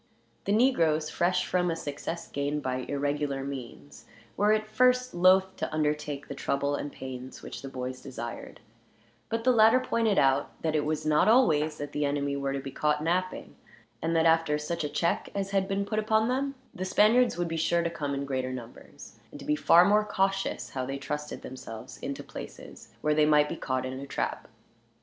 The negroes, fresh from a success gained by irregular means, were at first loath to undertake the trouble and pains which the boys desired; but the latter pointed out that it was not always that the enemy were to be caught napping, and that after such a check as had been put upon them, the Spaniards would be sure to come in greater numbers, and to be far more cautious how they trusted themselves into places where they might be caught in a trap.